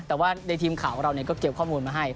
แต่ว่าในทีมข่าวของเราก็เก็บข้อมูลมาให้